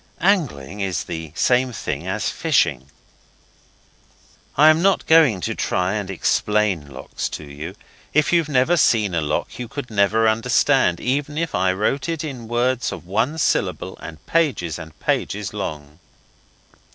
Angling is the same thing as fishing. I am not going to try and explain locks to you. If you've never seen a lock you could never understand even if I wrote it in words of one syllable and pages and pages long.